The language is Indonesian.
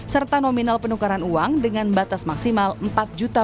serta nominal penukaran uang dengan batas maksimal empat juta